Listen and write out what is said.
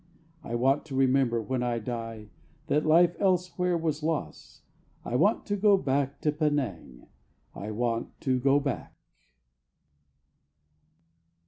I want to remember when I die That life elsewhere was loss. I want to go back to Penang! I want to go back!